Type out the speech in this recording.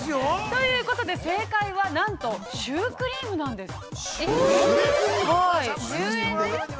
◆ということで、正解はなんとシュークリームなんです。